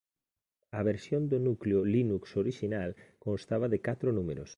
A versión do núcleo Linux orixinal constaba de catro números.